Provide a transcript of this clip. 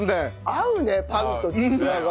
合うねパンとちくわが。